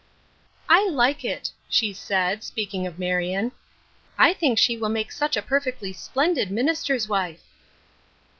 " I like it," she said, speaking of Marion. ''I think she will make such a perfectly splendid minister's wife."